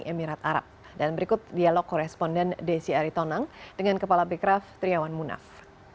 emirat arab dan berikut dialog koresponden desi aritonang dengan kepala bekraf triawan munaf